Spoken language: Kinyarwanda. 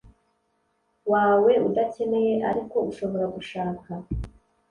Wawe udakeneye ariko ushobora gushaka